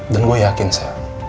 dan gue yakin sa